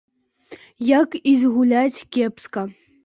Як і згуляць кепска.